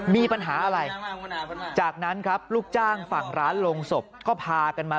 มีปัญหาอะไรจากนั้นครับลูกจ้างฝั่งร้านลงศพก็พากันมา